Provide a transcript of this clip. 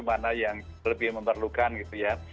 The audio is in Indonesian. mana yang lebih memerlukan gitu ya